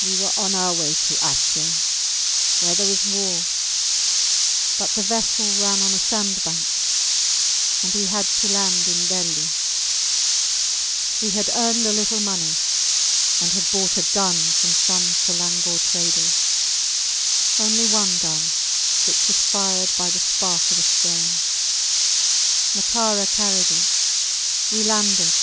We were on our way to Atjeh, where there was war; but the vessel ran on a sandbank, and we had to land in Delli. We had earned a little money, and had bought a gun from some Selangore traders; only one gun, which was fired by the spark of a stone; Matara carried it. We landed.